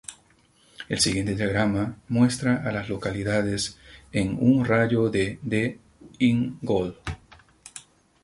El siguiente diagrama muestra a las localidades en un radio de de Ingold.